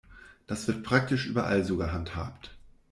Das wird praktisch überall so gehandhabt.